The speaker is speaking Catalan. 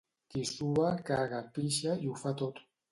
Qui sua, caga, pixa i ho fa tot.